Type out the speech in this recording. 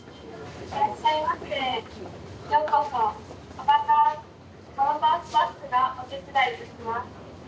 アバターアバタースタッフがお手伝いいたします」。